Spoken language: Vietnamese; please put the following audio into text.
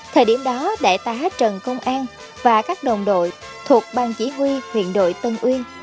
thời điểm đó đại tá trần công an và các đồng đội thuộc bang chỉ huy huyện đội tân uyên